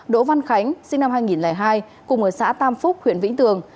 đỗ văn khánh sinh năm hai nghìn hai cùng ở xã tam phúc huyện vĩnh tường